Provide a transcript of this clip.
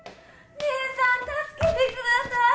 姐さん助けてください！